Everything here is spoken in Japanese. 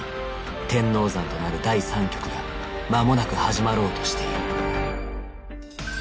天王山となる第３局がまもなく始まろうとしている。